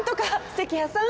関谷さん。